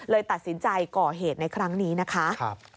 ตัดสินใจก่อเหตุในครั้งนี้นะคะ